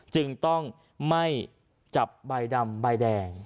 จึงต้องไม่จับใบดำใบแดง